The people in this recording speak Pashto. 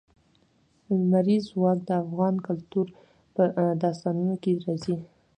لمریز ځواک د افغان کلتور په داستانونو کې راځي.